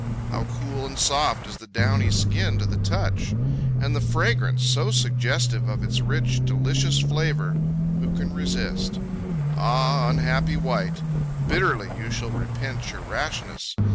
How cool and soft is the downy skin to the touch! And the fragrance, so suggestive of its rich, delicious flavor, who can resist? Ah, unhappy wight! Bitterly you shall repent your rashness.